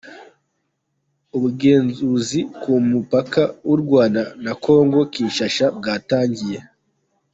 Ubugenzuzi ku mupaka w’u Rwanda na kongo Kinshasa bwatangiye